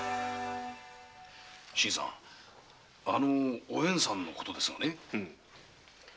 新さんあのおえんさんのことですがね。